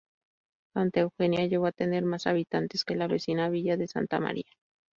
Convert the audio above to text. Santa Eugenia llegó a tener más habitantes que la vecina villa de Santa María.